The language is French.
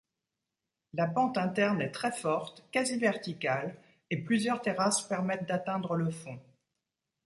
La pente interne est très forte, quasi-verticale, et plusieurs terrasses permettent d'atteindre le fond.